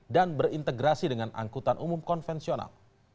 dan berintegrasi dengan angkutan umum konvensional